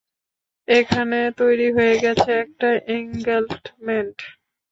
এখানে তৈরি হয়ে গেছে একটা এন্ট্যাঙ্গলমেন্ট।